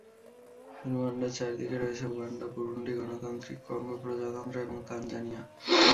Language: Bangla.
রুয়ান্ডার চারিদিকে রয়েছে উগান্ডা, বুরুন্ডি, গণতান্ত্রিক কঙ্গো প্রজাতন্ত্র, এবং তানজানিয়া।